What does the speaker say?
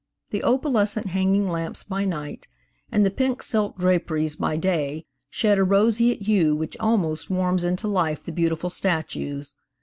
The opalescent hanging lamps by night, and the pink silk draperies by day, shed a roseate hue which almost warms into life the beautiful statues.